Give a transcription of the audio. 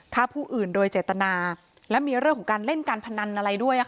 ฆ่าผู้อื่นโดยเจตนาและมีเรื่องของการเล่นการพนันอะไรด้วย